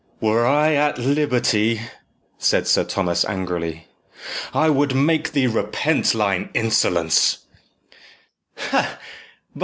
"Were I at liberty," said Sir Thomas angrily, "I would make thee repent thine insolence."